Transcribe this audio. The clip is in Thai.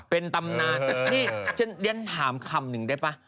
เป็นตำนานนี่ฉันเรียนถามคำหนึ่งได้ป่ะ